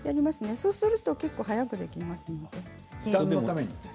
そうすると結構早くできますので。